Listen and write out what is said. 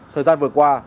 thời gian vừa qua